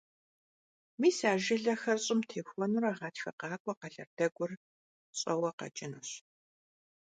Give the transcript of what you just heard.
Мис а жылэхэр щӀым техуэнурэ гъатхэ къакӀуэ къэлэрдэгур щӀэуэ къэкӀынущ.